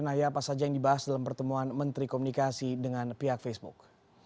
naya apa saja yang dibahas dalam pertemuan menteri komunikasi dengan pihak facebook